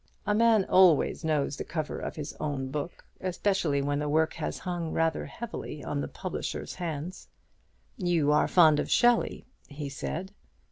A man always knows the cover of his own book, especially when the work has hung rather heavily on the publisher's hands. "You are fond of Shelley," he said.